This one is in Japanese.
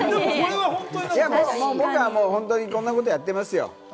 もう僕はいろんなことやってますよ。